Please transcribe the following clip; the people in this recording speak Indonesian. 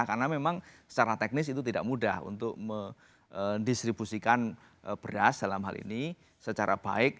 karena memang secara teknis itu tidak mudah untuk mendistribusikan beras dalam hal ini secara baik